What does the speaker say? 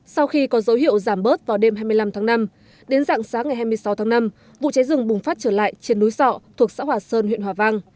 sau khi có dấu hiệu giảm bớt vào đêm hai mươi năm tháng năm đến dạng sáng ngày hai mươi sáu tháng năm vụ cháy rừng bùng phát trở lại trên núi sọ thuộc xã hòa sơn huyện hòa vang